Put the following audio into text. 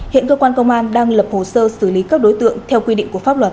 hiện cơ quan công an đang lập hồ sơ xử lý các đối tượng theo quy định của pháp luật